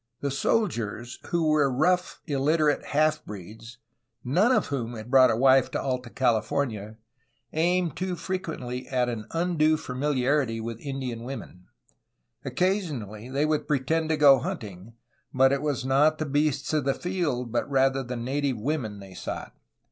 The soldiers, who were rough, illiterate half breeds, none of whom had brought a wife to Alta California, aimed too frequently at an undue familiarity with Indian women. Occasionally they would pretend to go hunting, but it was not the beasts of the field but rather the native women they sought.